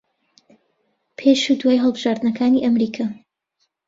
پێش و دوای هەڵبژاردنەکانی ئەمریکا